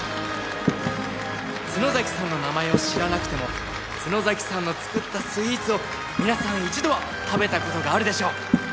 角崎さんの名前を知らなくても角崎さんの作ったスイーツを皆さん一度は食べた事があるでしょう。